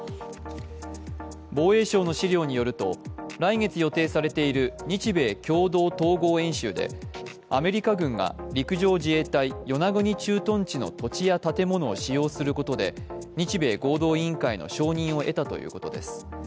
防衛省の資料によると来月予定されている日米共同統合演習でアメリカ軍が陸上自衛隊与那国駐屯地の土地や建物を使用することで日米合同委員会の承認を得たということです。